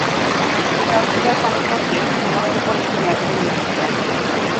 আমি অস্ট্রেলিয়া সম্পর্কে ভ্রমণের উপর একটা ম্যাগাজিন লিখেছিলাম।